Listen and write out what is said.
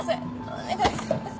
お願いします。